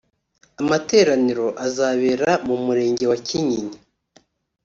Amateraniro azabera mu Murenge wa Kinyinya